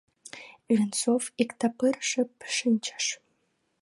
Венцов иктапыр шып шинчыш.